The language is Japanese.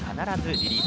リリーフ